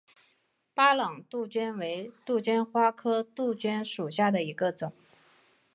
巴朗杜鹃为杜鹃花科杜鹃属下的一个种。